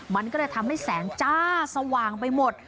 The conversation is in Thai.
มันก็เลยทำให้แสงจ้าสว่างไปหมด